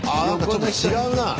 ちょっと違うなあ。